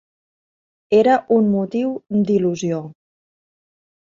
Era un motiu d’il·lusió.